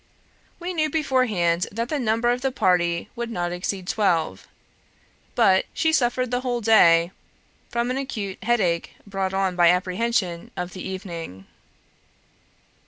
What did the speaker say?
We knew beforehand that the number of the party would not exceed twelve; but she suffered the whole day from an acute headache brought on by apprehension of the evening.